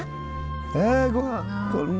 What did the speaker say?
あごはん。